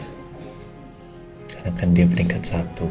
karena kan dia peningkat satu